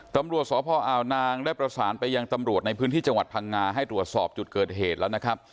ตำรวจสพอาวนางได้ประสานไปยังตำรวจในพื้นที่จังหวัดพังงาให้ตรวจสอบจุดเกิดเหตุแล้วนะครับ